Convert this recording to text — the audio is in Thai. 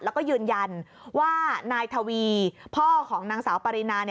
แล้วก็ยืนยันว่านายทวีพ่อของนางสาวปรินา